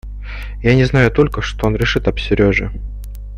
Я не знаю только, что он решит об Сереже.